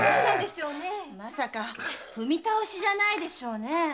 まさか踏み倒しじゃないでしょうね。